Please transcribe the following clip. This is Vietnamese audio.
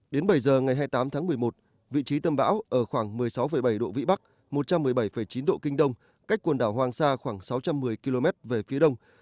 đến bảy giờ ngày hai mươi tám tháng một mươi một vị trí tâm bão ở khoảng một mươi sáu bảy độ vĩ bắc một trăm một mươi bảy chín độ kinh đông cách quần đảo hoàng sa khoảng sáu trăm một mươi km về phía đông